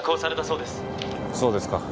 そうですか。